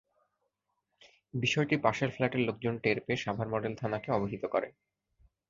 বিষয়টি পাশের ফ্ল্যাটের লোকজন টের পেয়ে সাভার মডেল থানাকে অবহিত করে।